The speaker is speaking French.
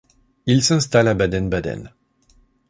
Il s'installe à Baden-Baden.